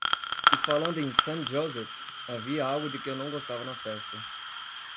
E falando em Sant Josep, havia algo de que eu não gostava na festa.